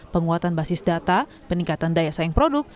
penguatan basis data peningkatan daya saing produk